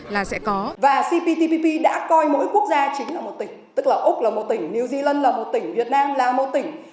và cptpp đã coi mỗi quốc gia chính là một tỉnh tức là úc là một tỉnh new zealand là một tỉnh việt nam là một tỉnh